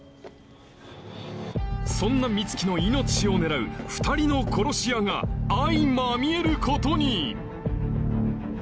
そんな美月の命を狙う２人の殺し屋があいまみえることに！